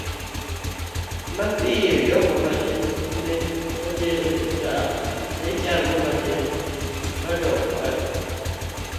Mapiyo, jogo ma ne oter e osiptal ne chango ma dok pacho.